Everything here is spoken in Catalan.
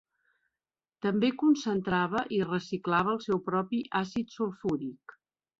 També concentrava i reciclava el seu propi àcid sulfúric.